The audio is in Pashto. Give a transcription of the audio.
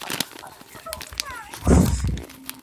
په سپورږمۍ كي زمــــا پــيــــر دى.